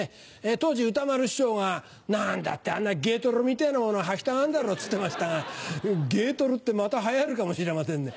当時歌丸師匠が「何だってあんなゲートルみてぇなもの履きたがるんだろう」って言ってましたがゲートルってまた流行るかもしれませんね。